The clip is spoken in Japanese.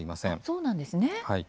そうなんですね。